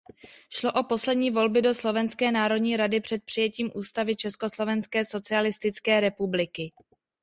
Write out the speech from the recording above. Šlo o poslední volby do Slovenské národní rady před přijetím Ústavy Československé socialistické republiky.